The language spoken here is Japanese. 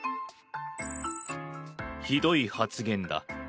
ひどい発言だ。